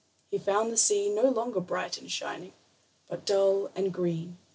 He found the sea no longer bright and shining, but dull and green.